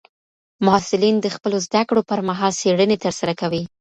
محصلین د خپلو زده کړو پر مهال څېړني ترسره کوي.